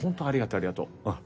ありがとうん。